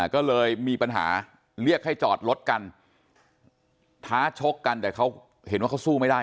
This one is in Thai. ก็เลยมีปัญหาเรียกให้จอดรถกันท้าชกกันแต่เขาเห็นว่าเขาสู้ไม่ได้